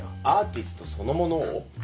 アーティストそのものを？